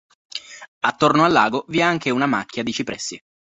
Attorno al lago vi è anche una macchia di cipressi.